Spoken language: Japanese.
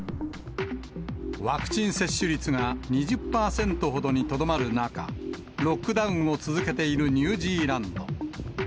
ワクチン接種率が２０％ほどにとどまる中、ロックダウンを続けているニュージーランド。